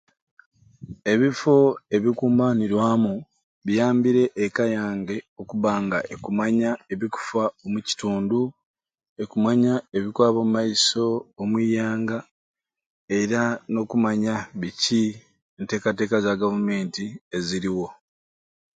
Ebifo ebikumbanirwamu biyambire eka yange okubba nga ekumanya ebikufa omukitundu, ekumanya ebikwaba omu maiso omuianga era n'okumanya biki enteekateeka za gavumenti eziriwo.